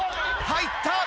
入った！